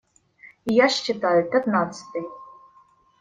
И я считаю: пятнадцатый.